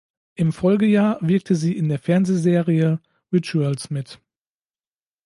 Im Folgejahr wirkte sie in der Fernsehserie "Rituals" mit.